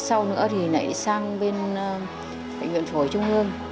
sau nữa thì lại sang bên bệnh viện phổi trung ương